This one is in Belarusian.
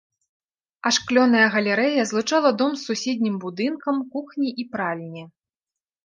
Ашклёная галерэя злучала дом з суседнім будынкам кухні і пральні.